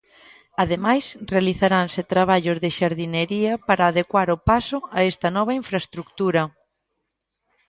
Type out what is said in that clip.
Ademais, realizaranse traballos de xardinería para adecuar o paso a esta nova infraestrutura.